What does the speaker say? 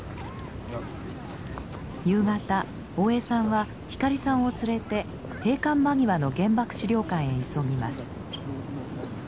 夕方大江さんは光さんを連れて閉館間際の原爆資料館へ急ぎます。